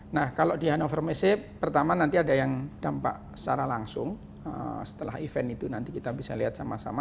nah kalau di hanover message pertama nanti ada yang dampak secara langsung setelah event itu nanti kita bisa lihat sama sama